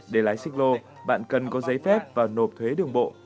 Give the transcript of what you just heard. để lái xích lô bạn cần có giấy phép và nộp thuế đường bộ